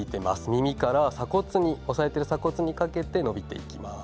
耳から押さえている鎖骨にかけて伸びていきます。